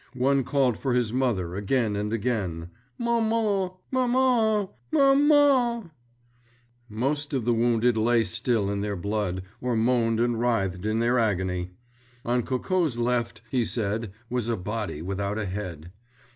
One called for his mother again and again, "Maman! Maman! Maman!" Most of the wounded lay still in their blood, or moaned and writhed in their agony. On Coco's left, he said, was a body without a head.